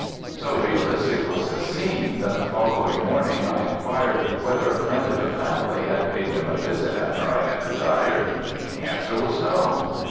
So realistic was the scene that the following morning I inquired whether a friend of the family had paid them a visit after I had retired. The answer was, "No."